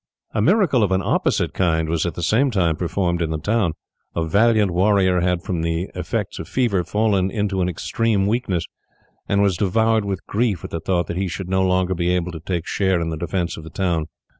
A miracle of an opposite kind was at the same time performed in the town. A valiant warrior had from the effects of fever fallen into an extreme weakness, and was devoured with grief at the thought that he should no longer be able to take share in the defence of the town.